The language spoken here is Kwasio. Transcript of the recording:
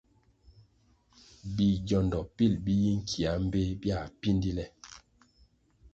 Bigiondo pil bi yi nkia mbpéh biãh píndí le.